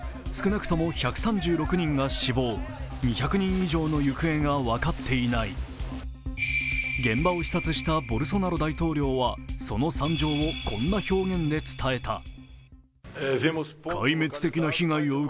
少なくとも１３６人が死亡２００人以上の行方が分かっていない現場を視察したボルソナロ大統領はその惨状をこんな表現で伝えた。